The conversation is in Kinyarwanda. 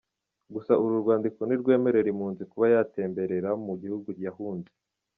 Gusa uru rwandiko ntirwemerera impunzi kuba yatemberera mu gihugu yahunze.